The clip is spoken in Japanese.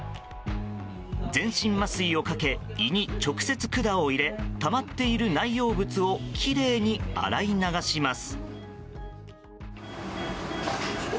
全身麻酔をかけ胃に直接管を入れたまっている内容物をきれいに洗い流します。